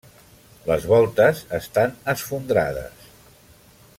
Les voltes estan esfondrades.